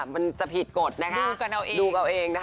มันจะผิดกฎนะคะดูกันเอาเอง